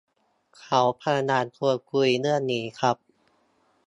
เขาพยายามชวนคุยเรื่องนี้ครับ